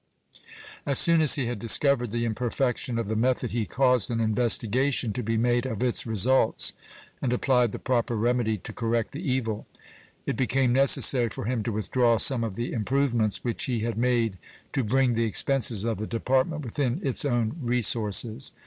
As soon as he had discovered the imperfection of the method he caused an investigation to be made of its results and applied the proper remedy to correct the evil. It became necessary for him to withdraw some of the improvements which he had made to bring the expenses of the Department within its own resources.